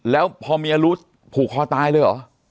แล้วพอเมียรู้ผูกคอตายเลยเหรอ